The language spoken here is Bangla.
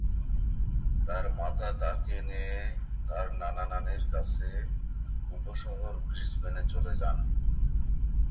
তার মাতা তাকে নিয়ে তার নানা-নানীর কাছে উপশহর ব্রিসবেনে চলে যান।